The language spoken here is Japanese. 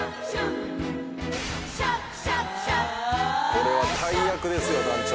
「これは大役ですよ団長」